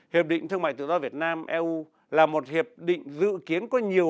hiệp định thương mại tự do việt nam eu là một hiệp định dự kiến có nhiều